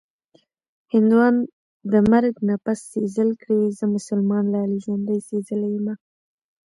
هندوان د مرګ نه پس سېزل کړي-زه مسلمان لالي ژوندۍ سېزلې یمه